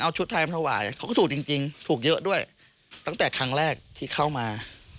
เอาชุดไทยมาถวายเขาก็ถูกจริงถูกเยอะด้วยตั้งแต่ครั้งแรกที่เข้ามา